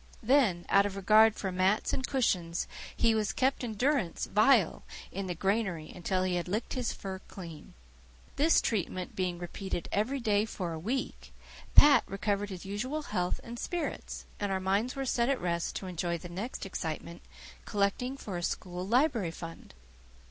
Then, out of regard for mats and cushions, he was kept in durance vile in the granary until he had licked his fur clean. This treatment being repeated every day for a week, Pat recovered his usual health and spirits, and our minds were set at rest to enjoy the next excitement collecting for a school library fund.